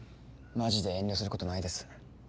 マジで遠慮することないです。